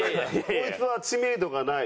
こいつは知名度がない。